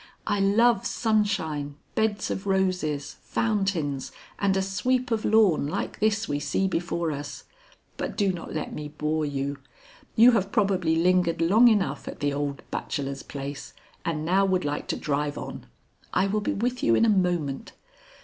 "I love sunshine, beds of roses, fountains, and a sweep of lawn like this we see before us. But do not let me bore you. You have probably lingered long enough at the old bachelor's place and now would like to drive on. I will be with you in a moment.